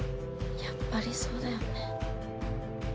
やっぱりそうだよね。